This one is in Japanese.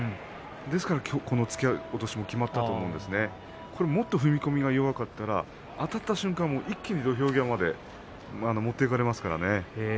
ですから突きも決まったと思いますし、もっと踏み込みが弱かったらあたった瞬間から一気に土俵際まで持っていかれますからね。